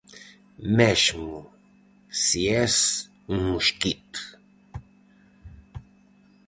Mesmo se es un mosquito.